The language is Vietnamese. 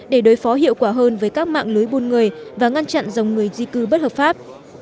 để đối phó hiệu quả hơn với các mạng lưới buôn người và ngăn chặn dòng người di cư bất hợp pháp